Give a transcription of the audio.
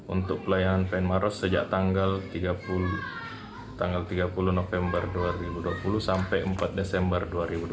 untuk pelayanan pn maros sejak tanggal tiga puluh november dua ribu dua puluh sampai empat desember dua ribu dua puluh